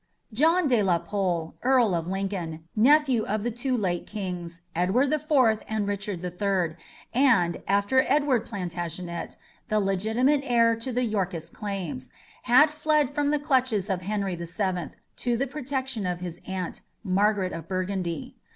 John de la Pole, Earl of Lincoln, nephew of the two late kings, Edward the Fourth and Richard the Third, and, after Edward Plantagenet, the legitimate heir to the Yorkist claims, had fled from the clutches of Henry the Seventh to the protection of his aunt, Margaret of Burgundy.